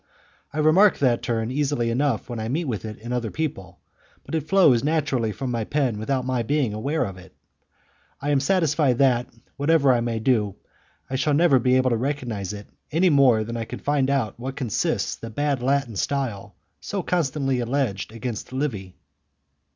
I remark that turn easily enough when I meet with it in other people, but it flows naturally from my pen without my being aware of it. I am satisfied that, whatever I may do, I shall never be able to recognize it any more than I can find out in what consists the bad Latin style so constantly alleged against Livy.